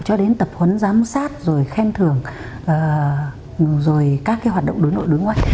cho đến tập huấn giám sát rồi khen thưởng rồi các hoạt động đối nội đối ngoại